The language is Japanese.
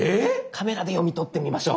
カメラで読み取ってみましょう！